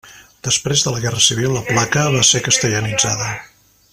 Després de la guerra civil la placa va ser castellanitzada.